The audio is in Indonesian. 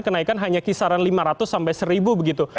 kenaikan hanya kisaran rp lima ratus sampai rp satu begitu